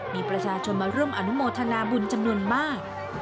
มีประชาชนมาร่วมอนุโมทนาบุญจำนวนมาก